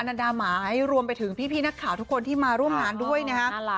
ันดาหมายรวมไปถึงพี่นักข่าวทุกคนที่มาร่วมงานด้วยนะฮะ